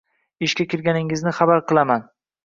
Ishga kirganingni xabar qilaman